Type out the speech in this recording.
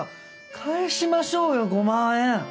返しましょうよ５万円。